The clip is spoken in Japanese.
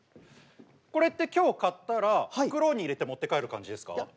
これって今日買ったら袋に入れて持って帰る感じですか？